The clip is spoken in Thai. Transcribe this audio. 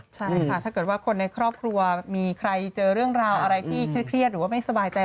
ใช่ค่ะถ้าเกิดว่าคนในครอบครัวมีใครเจอเรื่องราวอะไรที่เครียดหรือว่าไม่สบายใจ